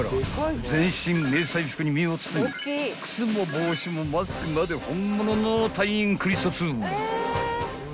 ［全身迷彩服に身を包み靴も帽子もマスクまで本物の隊員くりそつ］